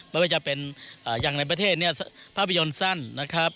ไม่ว่าจะเป็นอย่างในประเทศเนี่ยภาพยนตร์สั้นนะครับ